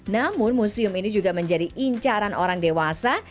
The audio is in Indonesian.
namun museum ini juga menjadi incaran orang dewasa